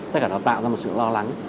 tất cả nó tạo ra một sự lo lắng